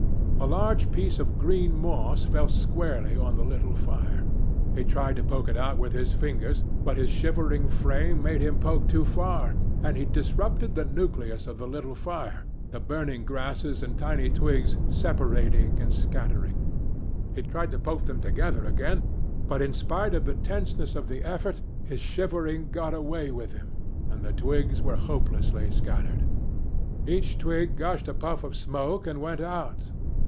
A large piece of green moss fell squarely on the little fire. He tried to poke it out with his fingers, but his shivering frame made him poke too far, and he disrupted the nucleus of the little fire, the burning grasses and tiny twigs separating and scattering. He tried to poke them together again, but in spite of the tenseness of the effort, his shivering got away with him, and the twigs were hopelessly scattered. Each twig gushed a puff of smoke and went out.